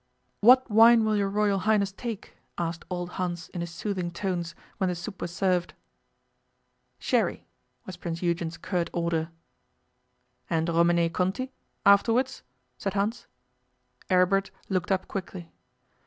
'What wine will your Royal Highness take?' asked old Hans in his soothing tones, when the soup was served. 'Sherry,' was Prince Eugen's curt order. 'And Romanée Conti afterwards?' said Hans. Aribert looked up quickly.